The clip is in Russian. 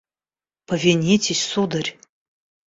Повинитесь, сударь.